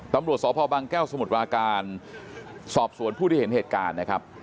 ตำรวจสพบางแก้วสมุทรปราการสอบสวนผู้ที่เห็นเหตุการณ์นะครับ